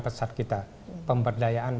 pesat kita pemberdayaan